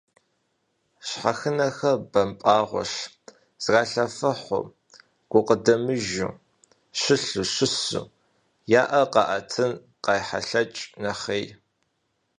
Щхьэхынэхэр бампӀэгъуэщ: зралъэфыхьу, гукъыдэмыжу, щылъу, щысу, я Ӏэр къаӀэтын къайхьэлъэкӀ нэхъей.